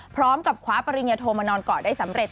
พร้อมกับคว้าปริญญาโทมานอนเกาะได้สำเร็จ